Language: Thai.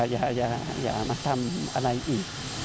อย่าอย่าอย่ามาทำอะไรอีก